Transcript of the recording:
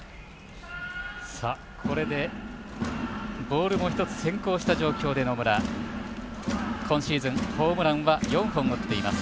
これでボールも１つ先行した状況で、野村今シーズン、ホームランは４本、打っています。